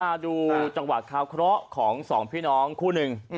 มาดูจังหวะคาวเคราะห์ของสองพี่น้องคู่หนึ่ง